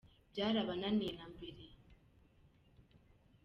byarabananiye nambere.